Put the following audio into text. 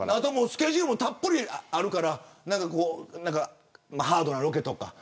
スケジュールも、たっぷりあるからハードのロケとか。